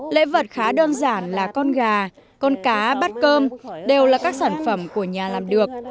lễ vật khá đơn giản là con gà con cá bát cơm đều là các sản phẩm của nhà làm được